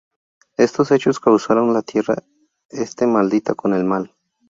Estos hechos causaron la Tierra este maldita con el mal.